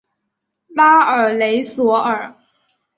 拉尔雷索尔。